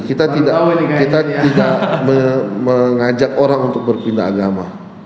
kita tidak mengajak orang untuk berpindah agama